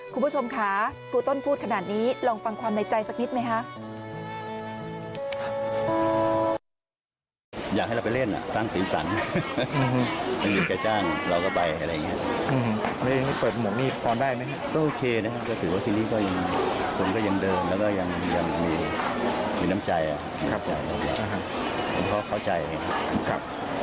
คุณผู้ชมค่ะครูต้นพูดขนาดนี้ลองฟังความในใจสักนิดไหมคะ